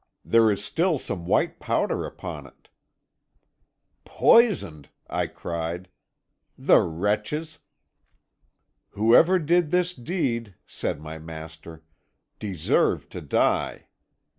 There is still some white powder upon it.' "'Poisoned!' I cried. 'The wretches.' "'Whoever did this deed,' said my master, 'deserved to die.